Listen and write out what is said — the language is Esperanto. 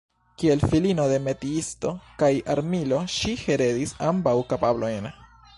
Kiel filino de "metiisto" kaj "armilo" ŝi heredis ambaŭ kapablojn.